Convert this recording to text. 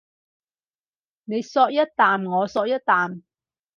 你嗦一啖我嗦一啖